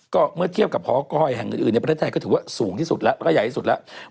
ก็เมื่อเทียบกับหอก้อยแห่งอื่นในประเทศไทยก็ถือว่าสูงที่สุดแล้วก็ใหญ่ที่สุดแล้ว